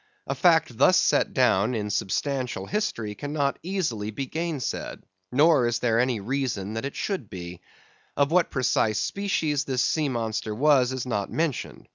A fact thus set down in substantial history cannot easily be gainsaid. Nor is there any reason it should be. Of what precise species this sea monster was, is not mentioned.